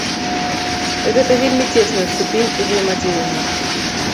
Гэта вельмі цесная ступень узаемадзеяння.